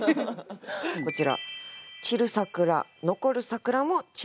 こちら。